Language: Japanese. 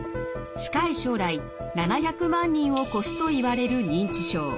近い将来７００万人を超すといわれる認知症。